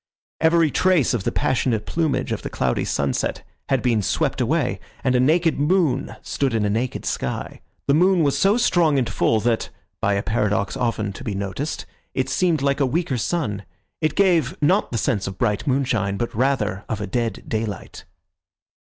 Every trace of the passionate plumage of the cloudy sunset had been swept away, and a naked moon stood in a naked sky. The moon was so strong and full that (by a paradox often to be noticed) it seemed like a weaker sun. It gave, not the sense of bright moonshine, but rather of a dead daylight.